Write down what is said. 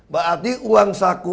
berarti uang saku